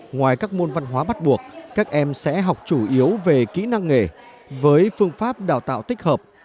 ngoài các môn văn hóa bắt buộc các em sẽ học chủ yếu về kỹ năng nghề với phương pháp đào tạo tích hợp